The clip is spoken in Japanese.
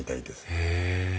へえ。